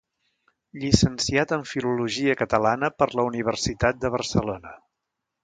Llicenciat en Filologia Catalana per la Universitat de Barcelona.